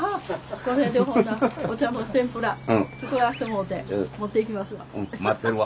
これでほなお茶の天ぷら作らせてもろうて持って行きますわ。